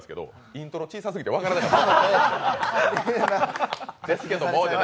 イントロ小さすぎて分からなかった。